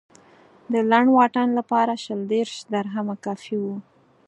د لنډ واټن لپاره شل دېرش درهم کافي و.